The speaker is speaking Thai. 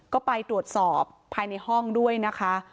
ก็ไปตรวจสอบภายในห้องด้วยนะคะ